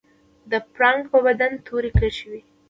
د پړانګ په بدن تورې کرښې وي